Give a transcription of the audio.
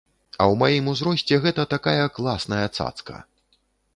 А ў маім узросце гэта такая класная цацка.